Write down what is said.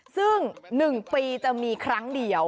ซึ่ง๑ปีจะมีครั้งเดียว